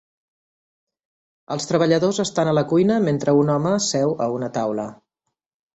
Els treballadors estan a la cuina mentre un home seu a una taula.